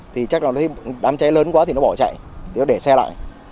thì chắc là đám cháy lớn quá thì nó bỏ chạy thì nó để xe lại